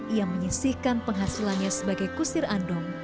ia menyisihkan penghasilannya sebagai kusir andong